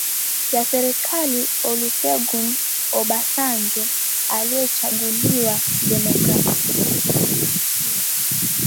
ya serikali Olusegun Obasanjo aliyechaguliwa kidemokrasia Ikichukua